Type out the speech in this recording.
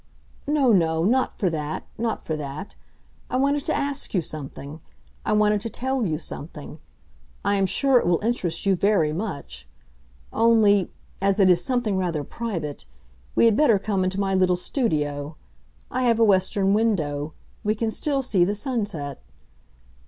"No, no, not for that—not for that. I wanted to ask you something; I wanted to tell you something. I am sure it will interest you very much. Only—as it is something rather private—we had better come into my little studio. I have a western window; we can still see the sunset.